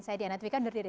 saya diana twika undur diri